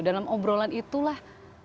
dalam obrolan itulah